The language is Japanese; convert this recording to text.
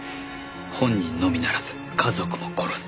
本人のみならず家族も殺すと。